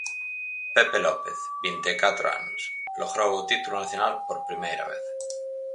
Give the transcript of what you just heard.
Pepe López, vinte e catro anos, logrou o título nacional por primeira vez.